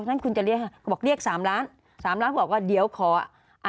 งั้นคุณจะเรียกบอกเรียกสามล้านสามล้านบอกว่าเดี๋ยวขออ่า